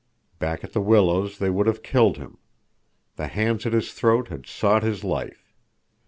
Back at the willows they would have killed him. The hands at his throat had sought his life.